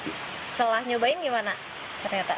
setelah nyobain gimana ternyata